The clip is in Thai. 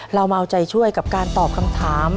เรามาเอาใจช่วยกับการตอบคำถาม